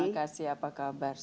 terima kasih apa kabar